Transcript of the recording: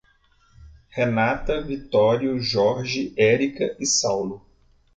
Renata, Vitório, George, Érica e Saulo